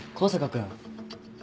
君。